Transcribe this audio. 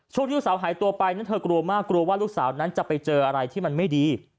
ช่วงที่ลูกสาวหายตัวไปนั้นเธอกลัวมากกลัวว่าลูกสาวนั้นจะไปเจออะไรที่มันไม่ดี